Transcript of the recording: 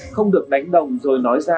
không được đánh đồng rồi nói ra